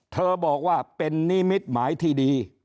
เธอบอกว่าเป็นนิมิตหมายที่ดี